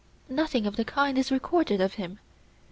Nothing of the kind is recorded of him.